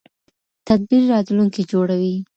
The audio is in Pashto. تدبیر راتلونکی جوړوي